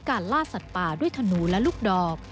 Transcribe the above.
ล่าสัตว์ป่าด้วยขนูและลูกดอก